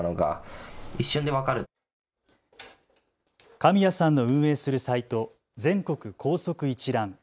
神谷さんの運営するサイト、全国校則一覧。